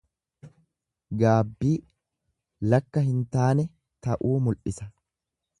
Gaabbii lakka hin taane ta'uu mul'isa.